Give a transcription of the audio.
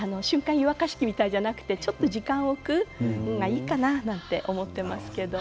湯沸かし器みたいではなくてちょっと時間を置くのがいいかななんて思っていますけど。